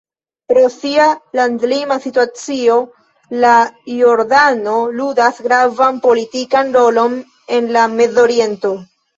Pro sia landlima situacio, la Jordano ludas gravan politikan rolon en la Mezoriento.